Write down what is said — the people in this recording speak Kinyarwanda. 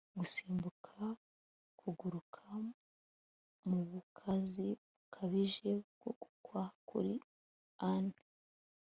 gusimbuka kuguruka mubukazi bukabije bwo kugwa. kuri an